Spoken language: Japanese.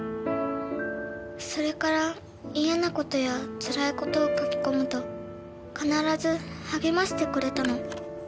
それから嫌な事やつらい事を書き込むと必ず励ましてくれたの。